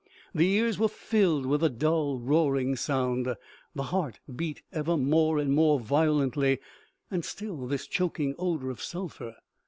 The ears were filled with a dull, roaring sound, the heart beat ever more and more violently; and still this choking odor of sulphur